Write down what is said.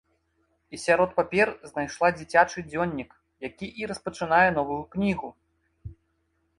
І сярод папер знайшла дзіцячы дзённік, які і распачынае новую кнігу!